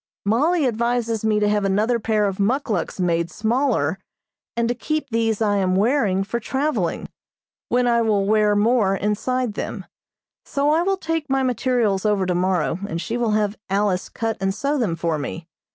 Mollie advises me to have another pair of muckluks made smaller, and to keep these I am wearing for traveling, when I will wear more inside them, so I will take my materials over tomorrow and she will have Alice cut and sew them for me.